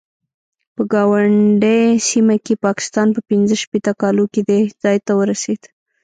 په ګاونډۍ سیمه کې پاکستان په پنځه شپېته کالو کې دې ځای ته ورسېد.